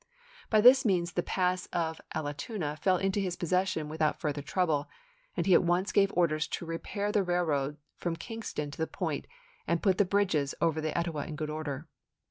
By this means the pass of Allatoona fell into his possession without fur ther trouble, and he at once gave orders to repair the railroad from Kingston to that point and put the bridges over the Etowah in good order.